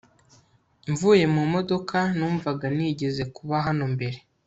mvuye mu modoka, numvaga nigeze kuba hano mbere